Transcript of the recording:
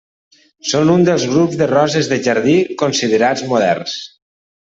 Són un dels grups de roses de jardí considerats moderns.